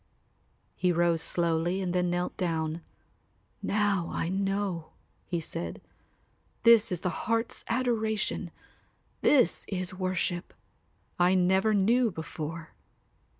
He rose slowly and then knelt down. "Now I know," he said, "this is the heart's adoration, this is worship. I never knew before."